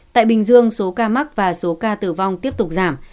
tại bình dương số ca mắc và số ca tử vong tiếp tục giảm